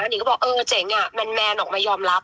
นิงก็บอกเออเจ๋งแมนออกมายอมรับ